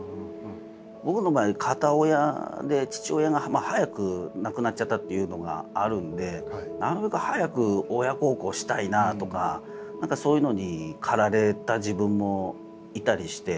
僕の場合は片親で父親が早く亡くなっちゃったっていうのがあるのでなるべく早く親孝行したいなとか何かそういうのに駆られた自分もいたりして。